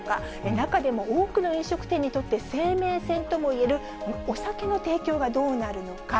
中でも多くの飲食店にとって生命線ともいえるお酒の提供がどうなるのか。